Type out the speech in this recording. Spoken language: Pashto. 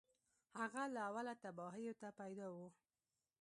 هغه له اوله تباهیو ته پیدا و